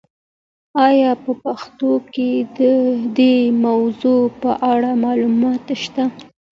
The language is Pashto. آیا په پښتو کې د دې موضوع په اړه معلومات شته؟